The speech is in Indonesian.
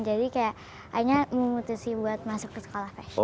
jadi kayak akhirnya memutuskan sih buat masuk ke sekolah fashion